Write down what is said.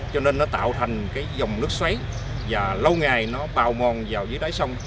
cho nên nó tạo thành cái dòng nước xoáy và lâu ngày nó bào mòn vào dưới đáy sông